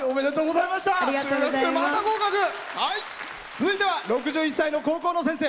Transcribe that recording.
続いては６１歳の高校の先生。